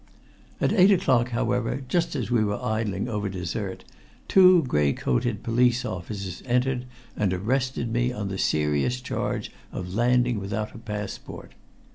At eight o'clock, however, just as we were idling over dessert, two gray coated police officers entered and arrested me on the serious charge of landing without a passport.